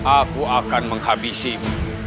aku akan menghabisimu